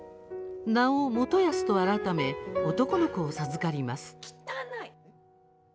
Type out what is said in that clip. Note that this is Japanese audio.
名を元康と改め男の子を授かります。